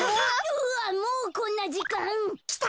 ・わっもうこんなじかん！きた！